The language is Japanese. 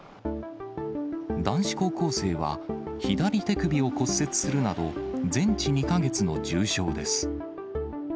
男子高校生は、左手首を骨折するなど、全治２か月の重傷です。